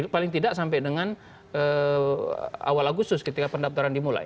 paling tidak sampai dengan awal agustus ketika pendaftaran dimulai